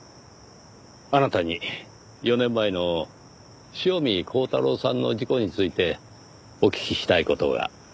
あなたに４年前の塩見耕太郎さんの事故についてお聞きしたい事が。